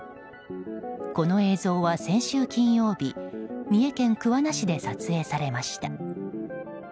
この映像は先週金曜日三重県桑名市で撮影されました。